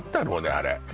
あれ・